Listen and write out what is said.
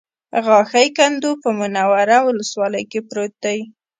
غاښی کنډو په منوره ولسوالۍ کې پروت دی